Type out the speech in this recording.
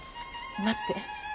待って。